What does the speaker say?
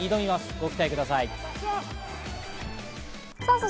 ご期待ください。